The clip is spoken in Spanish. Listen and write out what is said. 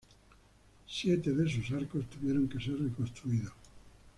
Siete de sus arcos tuvieron que ser reconstruidos.